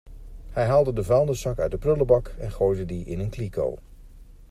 Hij haalde de vuilniszak uit de prullenbak en gooide die in een kliko.